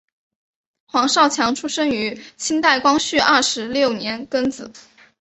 黄少强出生于清代光绪二十六年庚子。